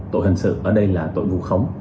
tội hình sự ở đây là tội vu khống